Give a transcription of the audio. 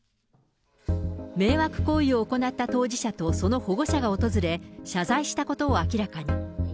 迷惑行為を行った当事者とその保護者が訪れ、謝罪したことを明らかに。